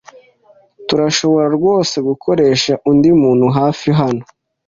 Turashobora rwose gukoresha undi muntu hafi hano.